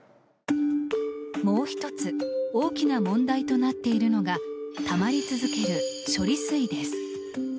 もう１つ大きな問題となっているのがたまり続ける処理水です。